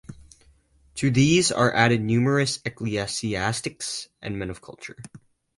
To these are added numerous ecclesiastics and men of culture.